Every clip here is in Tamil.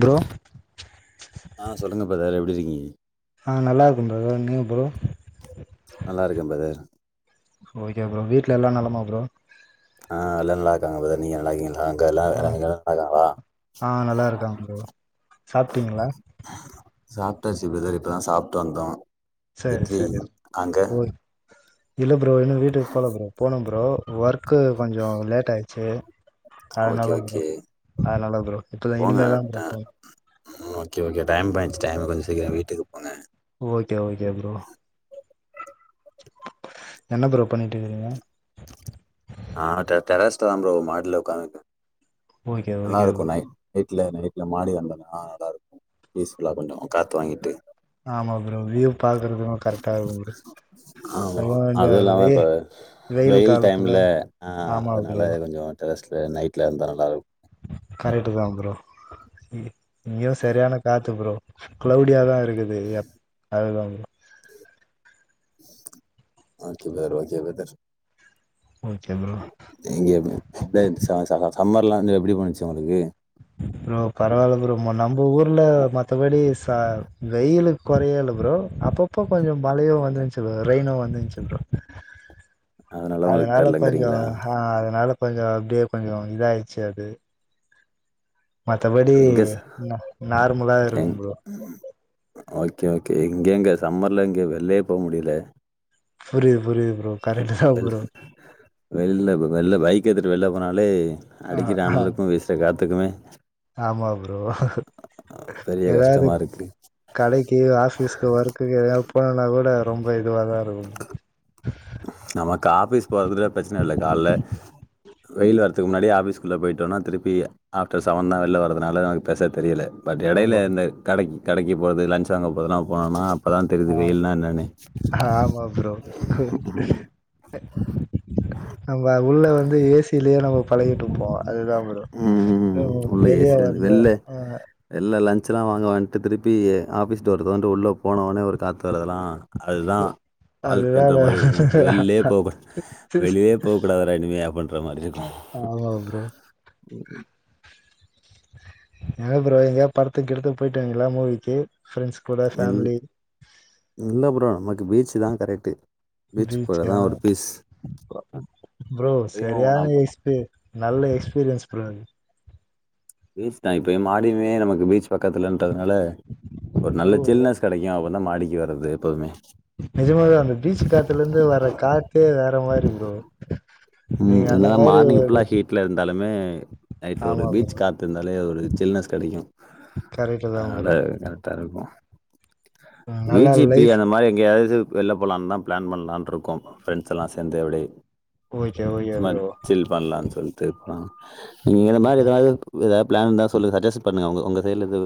ப்ரோ ஆ சொல்லுங்க ப்ரதர் எப் டிருக்கீங்க ஆ நல்லாருக்க ப்ரதர் நீங்க ப்ரோ நல்லா இருக்கே பிரதர் ஓகே ப்ரோ வீட்ல எல்லா நலமா ப்ரோ ஆ எல்லா நல்லாருக்காங்க ப்ரதர் நீங்க நல்லாக்கீங் அங்க எல்லா [unintelligible] ஆ நல்லா இருகாங்ளா ஆ நல்லா இருக்காங்க ப்ரோ சாப்ட்டீங்களா சாப்ட்டாச்சு ப்ரதர் இப்பொதா சாப்ட்டு வந்தோ சரி இட்லி சரி அங்க ஓ இல்ல ப்ரோ இன்னு வீட்டுக்கு போல ப்ரோ போணம் ப்ரோ ஒர்க்கு கொஞ்சோ லேட் ஆயிட்ச்சி ஓகே அதனால ப்ரோ ஓகே அதனால ப்ரோ இப்பதா இனிமேதா ப்ரோ போ ம் ஓக்கே ஓக்கே டைம் பாயிடிச் டைம் கொஞ்சோ சீக்கறோ வீட்டுக்கு போங்க ஓக்கே ஓக்கே ஃப்ரோ என்ன ப்ரோ பண்ணிட்டு இருக்கீங்க ஆ டெ டெரஸ்லதா ப்ரோ மாடில உக்காந் இருக் ஓக்கே ஓகே ஃப்ரோ இல்ல எங்க வீட்ல மாடில வந்தம்னா நல்லா இருக்கு பீஸ்ஃபுல்லா கொஞ்சோ காத்து வாங்கிட்டு ஆமா ஃப்ரோ வியூவ் ஆமா இந்த அதுவு இல்லாம வெயி இப்ப வெயில் டைம்ல ஆ ஆமா அதுனால ப்ரோ கொஞ்சோ டெரஸ்ல நைட்ல இருந்தா நல்லா இருக்கு கரெட்டுதா ஃப்ரோ எ இங்கயு சரியான காத்து ஃப்ரோ ஃக்ளவுடியாதா இருக்குது எப் அதுதா bro okay brother okay okay bro [unintelligible] இங்கயுமே நேத் சா [unintelligible] சம்மர்லா வந்து எப்டி போணுச்சு உங்களுக்கு ஃப்ரோ பரவால்ல ஃப்ரோ நம்ப ஊர்ல மத்தபடி ச வெயிலு கொறையல்ல ஃப்ரோ அப்பப்போ கொஞ்சோ மழையு வந்துந்துச்சு ரெயினு வந்துந்துருச்சு ஃப்ரோ அதனால உங்களுக்கு அதுனால கொஞ்சோ தெர்லங்கிறீங்களா ஹா அதுனாலப் கொஞ்சோ அப்டியே கொஞ்சோ இதாயிருச்சு அது மத்தபடி எங்க ச ந நார்மலா இருக்கு ஃப்ரோ ஓக்கே ஓக்கே இங்கெங்க சம்மர்ல எங்க வெள்லயே போ முடியல புரியுது புரியுத் வெள் வெள்ல இப்ப வெள்ள ஃபைக்கு எட்த்துட்டு வெள்ல போனாலே ஆ அடிக்கிற அனலக்கு வீசுற காத் த்துக்குமே ஆமா ஃப்ரோ பெரிய எதாவது கஷ்டமா இருக்கு கடைக்கி ஆபீஸ்க்கு ஒர்க்குக்கு எதாவது போனுனா கூட ரொம்ப இது வாதா [unintelligible] நமக்கு ஆஃபீஸ் போறதுக்கு ஃப்ரச்சனை இல்ல கால்ல வெயில் வறதுக்கு முன்னாடி ஆபீஸ் குள்ள போயிட்டோன்னா திருப்பி ஆஃப்டர் ஃசெவன்தா வெளில வர்றதுனால நமக்கு பெருசா தெரியல பட் எடையில ஆமா இந்த கடைக் கடைக்கு போறது லன்ஞ்ச் வாங்க போறதுலா அவன் போனான்னா ஆ ஆமா ஃப்ரோ நம்ப உள்ள வந்து ஏசியிலயே பழகிட்டுருப்போ அதுதா ப்ரோ ம். உள்ள வெளிய வந்து ஆ அச்சலா வாங்க வந்துட்டு திருப்பி ஆஃபிஸ் டோர தொரந்துட்டு உள்ள போனோனே ஒரு காத் க்கறதெலா அதுதா அதுதா வாழ்க்கன்ற மாரி இருக்கு வெளிலே போவக்கூ வெளிலே போவக்கூடாதூடா இனிமே அப்படின்ற மாரி இருக்கு ஆமா ப்ரோ உஹ [unintelligible] ஏ ப்ரோ எங்கயாவது படத்துக்கு கிடத்துக்கு போயிட்டிங்களா மூவிக்கு ஃப்ரெண்ட்ஸ் கூட இல் ஃபேமிலி இல்ல ப்ரோ நமக்கு பீச்சு தா கரெக்டு பீச்சுக்கா ப்ரோ இப்பயும் சரியான நம்ம எஸ்க்கு நல்ல எக்ஸ்பீரியன்ஸ் ப்ரோ அது தா இப்ப மாடியமே நமக்கு பீச் பக்கத்துலன்றதுனால ஒரு நல்ல ப்ரோ சில்னஸ் கெடைக்கும் நா மாடிக்கு வறது எப்போவுமே நிஜமாவே அந்த பீச் காத்துல இருந்து வர காத்தே வேற மாரி ப்ரோ ம் நீங்க அந்த என்னதா மாரி மார்னிங் ஒரு ஃபுல்லா ஹீட்ல இருந்தாலுமே நைட் ஒரு ஆமா ப்ரோ பீச் காத்து இருந்தாலே ஒரு சில்னஸ் கெடைக்கு கரெக்ட் தா அதனால ப்ரோ கரெக்டா இருக்கு வி நல்லா ஜி பி லைஃப் அந்த மாரி எங்கயாவது வெளில போலான்னு தா பிளான் பண்ணலானு இருக்கோ ஃப்ரெண்ட்ஸ் எல்லா சேந்து அப்படியே ஓகே ஓகே சும்மா ப்ரோ சில் பண்லானு சொல் [unintelligible] எங்கள மாரி ஏதாவது எதா பிளான் இருந்தா சொல்லுங்க சஜெஸ்சன் பண்ணுங்க உங்க உங்க சைட்ல இருந்து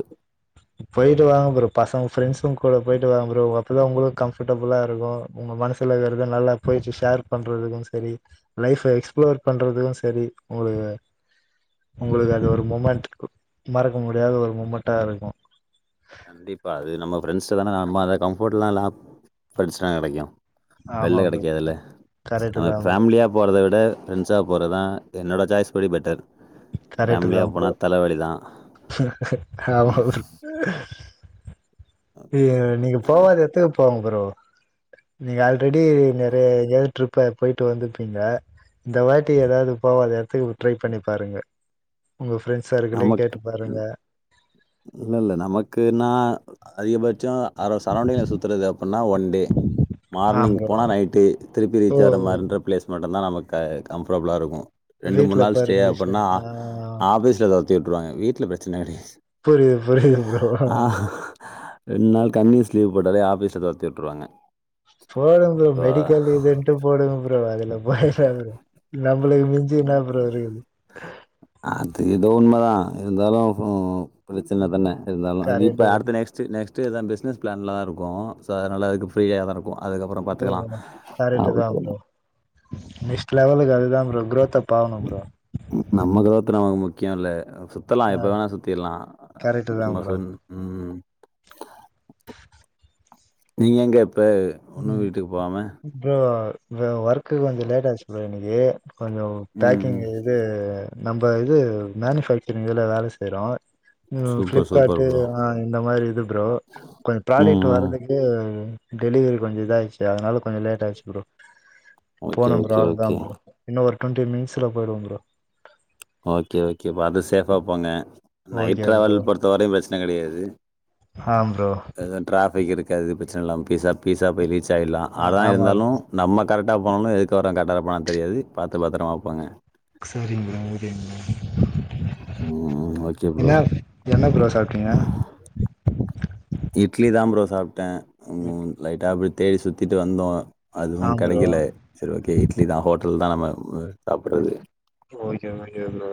போய்ட்டு வா ப்ரோ அப்போ தா உங்களுக்கு கம்ஃபர்டபுளா இருக்கு உங்க மனசில வேறத நல்லா போயிச்சு ஷேர் பண்ணுறதுக்கு சரி லைஃப எக்ஸ்ப்ளோர் பண்ணுறதுக்கு சரி உங்களு உங்களுக்கு அது ஒரு மூமெண்ட் மறக்க முடியாத ஒரு மூமெண்ட்டா இருக்கு கண்டிப்பா அது நம்ம ஃப்ரெண்ட்ஸ்ல தானே நம்ம அத கம்ஃபர்ட்லல்லா ஃப்ரெண்ட்ஸ் தா கெடைக்கு ஆமா வெளில ப்ரோ கெடைக்காதுல்ல கரெக்ட் நம்ம தா இப்ப ப்ரோ ஃபேமிலியா போறத விட ஃப்ரெண்ட்ஸா போறதா என்னோட சாய்ஸ் படி பெட்டர் கரெட்டு தா ஃபேமிலியாக ப்ரோ போனால் தலைவலி தான் ஆமா நீ நீங்க போவாத எத்துக்கு போங் ப்ரோ நீங்க ஆல்ரெடி நெறய கேர்ள் ட்ரிப்ப போய்ட்டு வந்துப்பீங்க இந்த வாட்டி ஏதாது போவாத எத்துக்கு ட்ரை பண்ணி பாருங்க உங்க ஃப்ரெண்ட்ஸ் சர்க்கிளையு நமக்கு கேட்டு பாருங்க இல்ல இல்ல நமக்குன்னா அதிகபட் சம் சரௌண்டிங்ல சுத்துறது அப்டின்னா ஒன் டே ஆ மார்னிங் ப்ரோ போனா நைட்டு திருப்பி ஓ ரீச் ஆகற மாரின்ற ப்ளேஸ் மட்டும்தா நமக் க கம்ஃபர்டபுளா இருக்கு ரெண்டு மூண் வீட்ல நாள் ஸ்டே பர்மிஷன் அப்பனா ஆ ஆஃபிஸ் ல ஊத்தி விட்ருவாங்க வீட்ல பிரச்சன கெடயாது புரியுது புரியுது ப்ரோ ஆஹ் ரெண்டு நாள் கண்டினிஸ் லீவு போடாலே ஆபீஸ தொரத்தி விட்டுருவாங்க போடுங்க ப்ரோ மெடிக்கல் இதுன்ட்டு போடுங்க போ ம் அதுல போயி சாப்புறோ நம்மளுக்கு மிஞ்சி என்னா ப்ரோ இருக்குது எதோ உண்ம தா இருந்தாலு ஒ பிரச்சனை தான இருந்தாலு அது இப்ப கரெக்ட்டு தா அடுத்த நெக்ஸ்ட்டு நெக்ஸ்ட் டுதா பிஸ்னஸ் பிளான்ல தா இருக்கோ சோ அதுனால ஃப்ரீ ஆதாருக்கு அதுக்கப்ற ப்ரோ பாத்துக்கலா கரெக்ட்டு தா ப்ரோ நெக்ஸ்ட் லவல்க்கு அதுதா ப்ரோ குரோத் அப் ஆவணு ப்ரோ நம்மக்குளா இத்தன ஆகுமோ முக்கியல சுத்தலா ஆ எப்ப வேணா சுத்திர்லா கரெக்ட்டு தா சும்மா ப்ரோ சொன் உம் நீங்க எங்கப் ப்ப ஒன்னு ம் வீட்டுக்கு போகாம ப்ரோ ஒர்க்கு கொஞ்ச லேட் ஆச்சு ப்ரோ இன்னிக்கி கொஞ்ச ம் பேக்கிங் ம். இது நம்ம இது மேனுபேக்சரிங் வேல வேலை செய்றோ ம் சூப்பர் பிளிப்கார்ட் சூப்பர் ப்ரோ ஆஹ் இந்த மாரி இது ப்ரோ கொஞ்ச ம் ப்ராடக்ட் ம். வர்ரதுக்கு டெலிவரி கொஞ்ச இதாயிச்சு அதனால கொஞ்ச லேட்டாச்சு ப்ரோ ஓகே போன ப்ரோ ஓகே அவ்ளோதா ஓகே ப்ரோ இன்னொ ஒரு டொண்டி மினிட்ஸ்ல போயிடுவே ப்ரோ பாப்பாங்க நைட் ஓகே ட்ராவல் ப்ரோ பொறுத்த வரையு பிரச்சனை கெடையாது ஆ ப்ரோ அது ட்ராபிக் இருக்கு எது பிரச்சனல்லா பீசா பீசா பயலி சைடுலா ஆ ஆனா ஆமா இருந்தாலு ப்ரோ நம்ம கரெக்டா போனு எதுக்கு வராங்க கரெக்ட்டா இருப்பானான்னு தெரியாது பாத்து பத்திரமா போங்க சரிங்க விடுங்க ம், ஓகே ப்ரோ என்னா என்ன ப்ரோ சாப்பிட்டீங்க இட்லிதா ப்ரோ சாப்ட்டே உம் லைட்டா அப்டிப் தேடி சுத்திட்டு வந்தோ அதுவு ஆ ப்ரோ கெடைக்கல சேரி ஓகே இட்லி தா ஹோட்டல்தா நம்ம [unintelligible] சாப்பிறது okay okay bro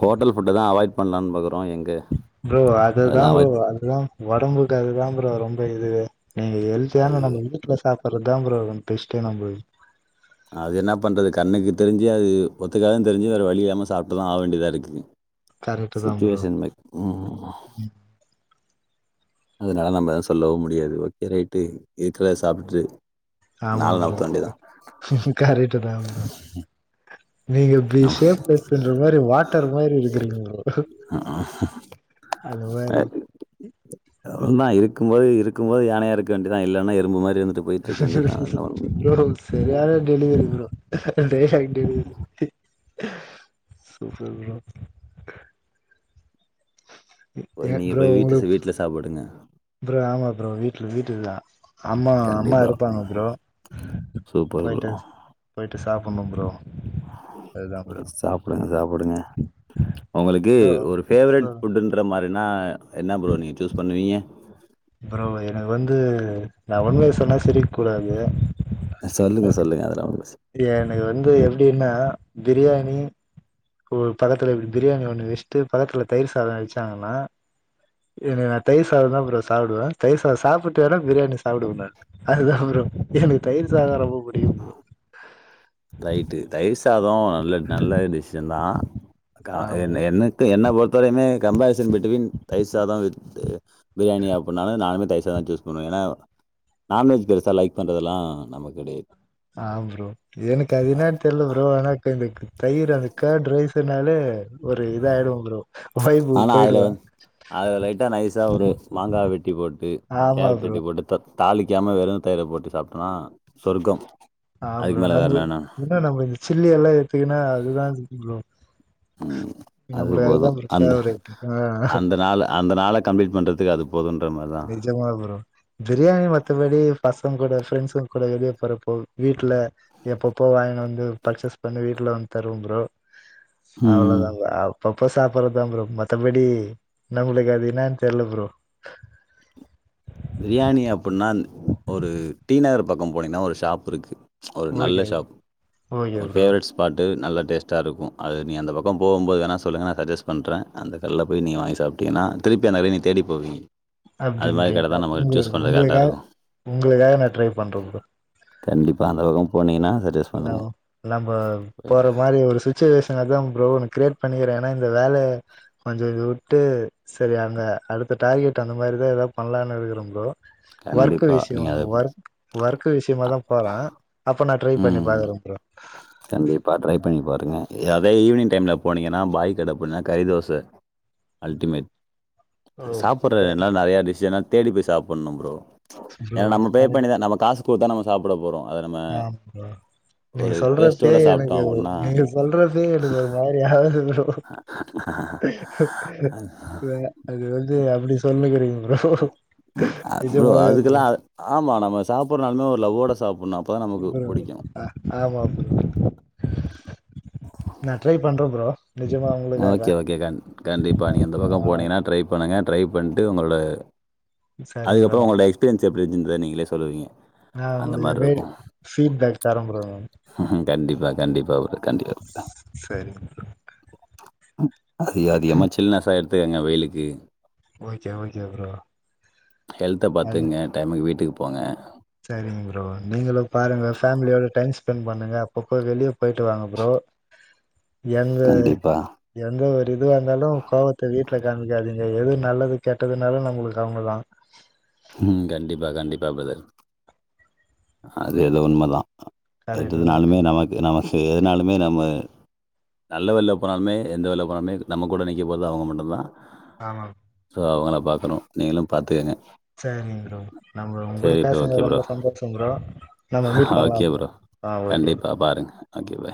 hotel food தான் அவாய்ட் பண்லாம் பார்க்குற ப்ரோ அதுதான் ப்ரோ அதுதான் உடம்புக்கு அதுதான் ப்ரோ ரொம்ப இதுவே நீங்க ஹெல்தியா அது நம்ப [unintelligible] சாப்புறது தான் ப்ரோ [unintelligible] நம்மளுக்கு அது என்ன பண்றது கண்ணுக்கு தெரிஞ்சு அது ஒத்துக்காதுனு தெரிஞ்சு வேற வழி இல்லாம சாப்பிட்டுதான் ஆக வேண்டியதா இருக்கு கரெக்ட்டு தா ப்ரோ சுச்சுவேஷன் [unintelligible] அதனால நம்ம எது சொல்லவும் முடியாது ஓகே ரைட்டு இருக்கிற சாப்பிட்டு ஆமா ப்ரோ கரெட்டுதான் ப்ரோ நீங்க ஆமா. இப்பிடிசேப்லேஸ்ற மாரி வாட்டர் மாரி இருக்கிறீங்க ப்ரோ அது மாரி இருக்கும் போது இருக்கும் போது யானையா இருக்க வேண்டியான் இல்லன்ன எறும்பு மாரி இருந் [inaudible] ப்ரோ செரியான டெலிவரி ப்ரோ [unintelligible] [inaudible] சூப்பர் ப்ரோ போய் ஏ நீங்க ப்ரோ போய் வீட்டு ச உங்களுக்கு வீட்ல சாப்பிடுங்க. ப்ரோ ஆமா ப்ரோ வீட் சொல்லிடில்லா அம்மா அம்மா கண்டிப்பா. இருப்பாங்க ப்ரோ சூப்பர் போயிட்டு போயிட்டு சாப் ஆமா ப்ரோ அதுதா ப்ரோ சாப்பற சாப் போடுங்க உங்களுக்கு ப்ரோ ஒரு ஃபேவரிட் ம் ஃபுட்டுன்ற மாரி என்ன என்ன ப்ரொ நீங்க சூஸ் பண்ணுவீங்க ப்ரோ எனக்கு வந்து நான் உண்மைய சொன்னா சிரிக்க கூடாது சொல்லுங்க சொல்லுங்க அதெல்ல ஒண்ணு ப்ரஸ் அப்டியா எனக்கு வந்து எப்டினா பிரியாணி இப்போ ஒரு பக்கத்துல இப்டி பிரியாணி ஒண்ணு வச்சுட்டு பகத்துல தயிர் சாதோ வச்சாங்கனா என் நா தயிர் சாத தா ப்ரோ சாப்டுவே தயிர் சாத சாப்ட்டு வேணா பிரியாணி சாப்டுவே நானு அதுதா ப்ரோ எனக்கு தயிர் சாதோதா ரொம்ப புடிக்கு ப்ரோ ரைட்டு தயிஸ் சாதோ நல்ல நல்ல டிசிஷன் தா கா ஆ ப்ரோ என்ன என்ன எனக்கு என்ன பொறுத்த வரயுமே கம்பரிசன் பிட்டுவீன் தயிர் சாதோ வித்து பிரியாணியா அப்புனாலு நானுமே தயிர் சாதோதா சூஸ் பண்ணுவே ஏனா நான்வெஜ் பெருசா லைக் பண்ணுறதெல்லா நம்ம கெடயா ஆ ப்ரோ எனக்கு அதுனா என்னனு தெர்ல ப்ரோ அனாக்குந்தக்கு தயிர் அந்த ஃகடுரரைசர் னாலே ஆனா அதுல போயிடுவே வந் அது லைட்டா நைஸா ஒரு மாங்கா வெட்டி போட்டு ஆமா கேரட் ப்ரோ வெட்டி போட்டு தக் தாளிக்காம வெறும் தயிர போட்டு சாப்டோனா சொர்க்கம் ஆ அதுக்கு ப்ரோ மேல வேற நம்பு என்ன வேணும் இன்னு நம்பச் கில்லி எல்லை தினா அதுதா க்கு ப்ரோ ம் அது நம்மளு அதுதா போதும் ப்ரோ அந்த ஃபேவரேட் ஆ கம்ப்ளிட் பண்ணறதுகு அது போதுன்ற மாரிதான் நிஜமா ப்ரோ பிரியாணி மத்தபடி ஃபஸ் மத்தவங்க கூட ஃபிரெண்ட்ஸுக கூட வெளிய போறப்போ வீட்ல எப்பப்போ வாங்கினு வந்து பர்ச்சேஸ் பண்ணி வீட்ல வந்து தருவே ப்ரோ ம் அவ்ளோதாங்க அப் பப்ப சாப்றதா ப்ரோ மத்தபடி நம்மளுக்கு அது என்னானு தெர்ல ப்ரோ பிரியாணி அப்பின்னான் ஒரு டி நகர் பக்கோ போனீங்கனா ஒரு ஷாப் இருக்கு ஒரு ஓகே நல்ல ஷாப் ஓகே ஒரு ப்ரோ ஃபேவரேட் ஸ்பாட்டு நல்ல டேஸ்டா இருக்கு அது நீ அந்த பக்கோ போகுபோது வேண சொல்லுங்க நா சஜஸ்ட் பண்றே அந்த கடையில போயி நீங்க வாங்கி சாப்ட்டீங்கனா திருப்பி அந்த கடய நீ தேடி போவீங்க அது மாரி அப்டின்றீ கடை க தான் நம்ம உங்க சூஸ் பண்றது கரெக்ட்டா உங்களுக்காக இருக்கும். உங்களுக்காக நா ட்ரை பண்றே ப்ரோ கண்டிப்பா அந்த பக்கோ போனீங்கனா நம் நம்ம போற மாரி ஒரு சிச்சுவேஷன தா ப்ரோ னுக் க்ரியேட் பண்ணிக்கிறே ஏனா இந்த வேல கொஞ்சோ விட்டு செரி அங்க அடுத்த டார்கெட் அந்த மாரி தா எதாவது பண்ணலானு இருக்கிறே ப்ரோ ஒர்க்கு கண்டிப்பா. விஷ்யோ நீங்க அது ஒர்க் ஒர்க்கு விஷயமா அ தா போறே அப்ப நா ட்ரை பண்ணி ம். பாக்றே ப்ரோ கண்டிப்பா ட்ரை பண்ணி பாருங்க அதே ஈவினிங் டைம்ல போனீங்கனா பாய் கடப்போனா கறிதோச அல்டிமேட் ஓகே சாப்டுறல்லா நெறைய டிஷ்ஷனா தேடி போய் சாப்பணு ப்ரோ ப்ரோ ஏன்னா நம்ம பே பண்ணிதா நம்ம காசு கொடுத்தா நம்ம சாப்ட போறோ ஆ ப்ரோ நீங்க சொல்றப்பே டேஸ்ட்டோட சாப்பிட்டோம் எனக்கு அப்படின்னா நீங்க சொல்றப்பே எனக்கு ஒரு மாரி ஆகுது ப்ரோ அ அது வந்து அப்படி சொல்லுக்குறீ ம் அ ப்ரோ ப்ரோ அதுக்கெல்லாம் ஆமா ந ம்ம சாப்றனு ஒரு லவ்வோட சாப் ஓகே ப்ரோ ஆமா ப்ரோ நான் ட்ரை பண்றே ப்ரோ நிஜமா உங்களுக்காக ஓகே ஓகே கண் கண்டிப்பா நீங்க அந்த ஆ பக்கம் போனீங்கன்னா ட்ரை பண்ணுங்க ட்ரை பண்ணிட்டு உங்களோட சரிங்க அதுக்கப்புறம் உங்களோட எக்ஸ்பீரியன்ஸ் எப்படின்றதே நீங்களே சொல்லுவீங்க ஆஹ் அந்த உங்க மாதிரி ரேட் அண்ட் இருக்கும் பீட் பேக் தரேன் ப்ரோ கண்டிப்பா கண்டிப்பா ஒரு கண்டிப்பா சரிங்க அ [inaudible] அ அதது அம் சில்னசாடு [unintelligible] பாத்துக்கங்க வெயிலுக்கு ஓகே ஓகே ப்ரோ ஹெல்த பாத்துங்க டைமுக்கு வீட்டுக்கு போங்க சேரிங்க ப்ரோ நீங்களும் பாருங்க ஃபேமிலியோட டைம் ஸ்பெண்ட் பண்ணுங்க அப்பப்போ வெளியே போயிட்டு வாங்க புரோ எந்த கண்டிப்பாக எந்த ஒரு இதுவா இருந்தாலும் கோபத்தை விட்டு காமிக்காதீங்க எது நல்லது கெட்டதுனாலும் நம்மளுக்கு அவங்கதான் உம் கண்டிப்பா கண்டிப்பா பிரதர் அது ஏதோ உண்மைதான் கரெக்ட்டு தா என்றதுனாலுமே ப்ரோ நமக்கு நம ஸோ எதனாலுமே நம்ம நல்ல வேலேல போனாலுமே எந்த வேலேல போனாலுமே நம்ம கூட நிற்கப் போறது அவங்க மட்டும்தான் ஆமா சோ அவங்கள பார்க்குறோம் நீங்களும் பார்த்துக்கங்க சரி ப்ரோ நம்ம உங்க கூட சரி ப்ரோ பேசுனது ஓகே ரொம்ப ப்ரோ சந்தோஷம் புரோ நம்ம மீட் ஓகே பண்ணலாம் புரோ ப்ரோ ஆஹ் ஓகே கண்டிப்பாக பாருங்கள் ஓகே பாய்